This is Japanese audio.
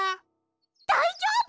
だいじょうぶ？